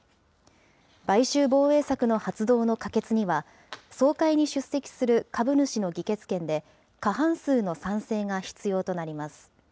買収防衛策の発動の可決には、総会に出席する株主の議決権で過半数の賛成が必要となります。